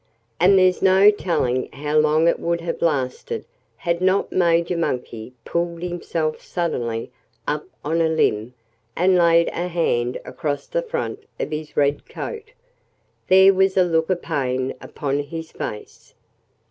And there's no telling how long it would have lasted had not Major Monkey pulled himself suddenly up on a limb and laid a hand across the front of his red coat. There was a look of pain upon his face.